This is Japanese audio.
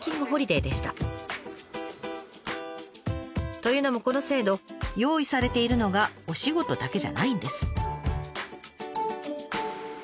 というのもこの制度用意されているのがお仕事だけじゃないんです。